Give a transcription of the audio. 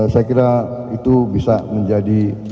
saya kira itu bisa menjadi